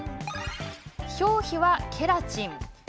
表皮はケラチン。